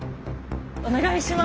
お願いします。